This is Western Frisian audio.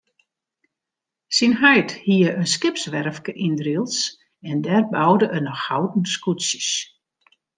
Syn heit hie in skipswerfke yn Drylts en dêr boude er noch houten skûtsjes.